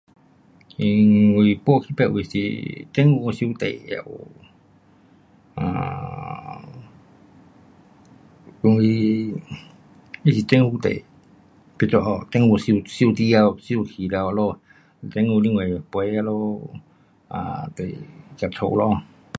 因为搬去别位是政府收地也有，um 因为它是政府地，刚刚好政府收，收得了，收去了咯，政府另外赔他们 um 就是这屋咯。